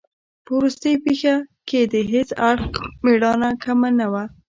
په وروستۍ پېښه کې د هیڅ اړخ مېړانه کمه نه وه.